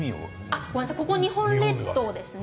日本列島ですね。